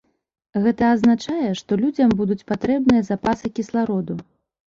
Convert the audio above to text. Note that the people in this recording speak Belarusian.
Гэта азначае, што людзям будуць патрэбныя запасы кіслароду.